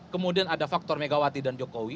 kemudian ada faktor megawatt inch dan jokowi